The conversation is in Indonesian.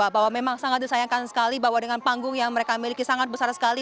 bahwa memang sangat disayangkan sekali bahwa dengan panggung yang mereka miliki sangat besar sekali